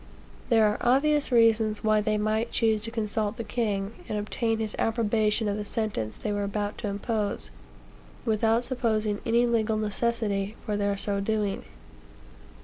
There are obvious reasons why they might choose to consult the king, and obtain his approbation of the sentence they were about to impose, without supposing any legal necessity for their so doing.